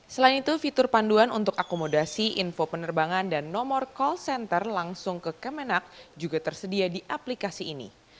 selain itu fitur panduan untuk akomodasi info penerbangan dan nomor call center langsung ke kemenak juga tersedia di aplikasi ini